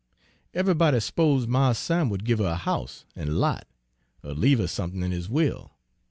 Eve'ybody s'posed Mars Sam would give her a house an' lot, er leave her somethin' in his will.